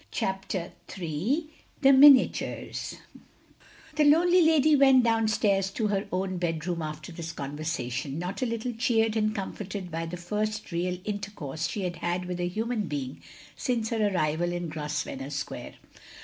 CHAPTER III THE MINIATURES The lonely lady went down stairs to her own bedroom after this conversation, not a little cheered and comforted by the first real intercourse she had held with a htiman being since her arrival in Grosvenor Square.